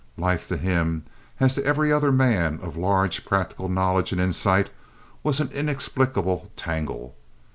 Life to him, as to every other man of large practical knowledge and insight, was an inexplicable tangle.